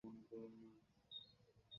সে না করে দিলে?